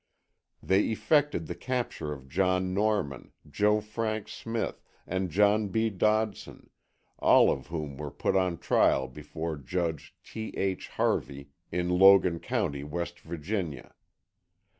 They effected the capture of John Norman, Joe Frank Smith and John B. Dodson, all of whom were put on trial before Judge T. H. Harvey in Logan County, West Virginia.